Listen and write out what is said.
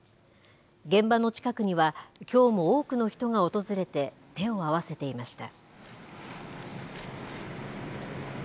現場の近くには、きょうも多くの人が訪れて、手を合わせていました。